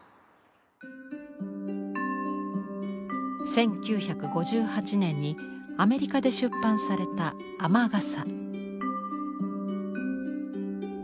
１９５８年にアメリカで出版された「あまがさ」。